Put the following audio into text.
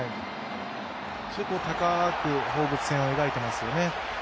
高く放物線を描いていますよね。